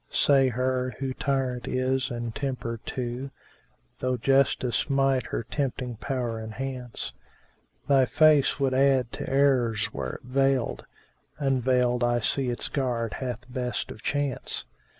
Say her, who tyrant is and tempter too * (Though justice might her tempting power enhance):— Thy face would add to errors were it veiled; * Unveiled I see its guard hath best of chance!